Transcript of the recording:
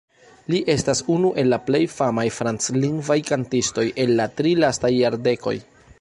Li estas unu el la plej famaj franclingvaj kantistoj el la tri lastaj jardekoj.